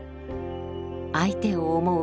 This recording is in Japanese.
相手を思う